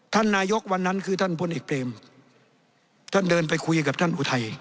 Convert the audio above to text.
ท่านนายกวันนั้นคือท่านพลเอกเบรมท่านเดินไปคุยกับท่านอุทัย